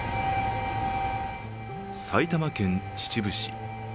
埼玉県秩父市。